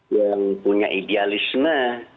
yang punya idealisme